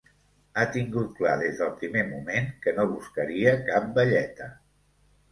Ha tingut clar des del primer moment que no buscaria cap velleta.